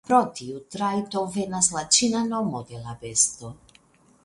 Pro tiu trajto venas la ĉina nomo de la besto.